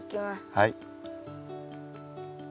はい。